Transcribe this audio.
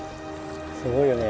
すごいよね。